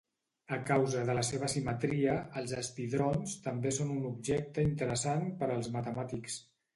A causa de la seva simetria, els spidrons també són un objecte interessant per als matemàtics.